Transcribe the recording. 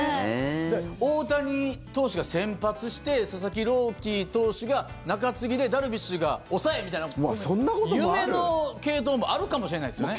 大谷投手が先発して佐々木朗希投手が中継ぎでダルビッシュが抑えみたいな夢の継投もあるかもしれないですよね。